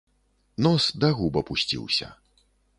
Нос да губ апусціўся.